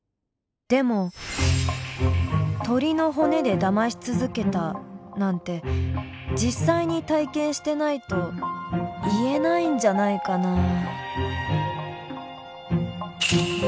でも鶏の骨でだまし続けたなんて実際に体験してないと言えないんじゃないかな。